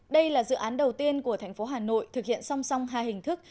đây là dự án đầu tiên của thành phố hà nội thực hiện song song hai hình thức